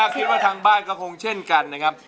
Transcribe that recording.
คิดว่าทางบ้านก็คงเช่นกันนะครับ